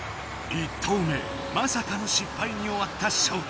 １投目まさかの失敗に終わったショウタ。